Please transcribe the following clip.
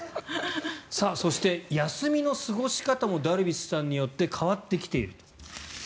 そして休みの過ごし方もダルビッシュさんによって変わってきていると。